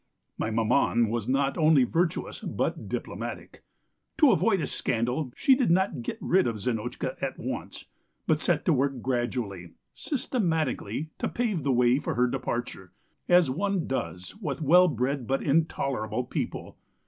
"My maman was not only virtuous but diplomatic. To avoid a scandal she did not get rid of Zinotchka at once, but set to work gradually, systematically, to pave the way for her departure, as one does with well bred but intolerable people.